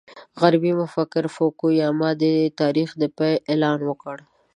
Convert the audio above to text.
غربي مفکر فوکو یاما د تاریخ د پای اعلان وکړ.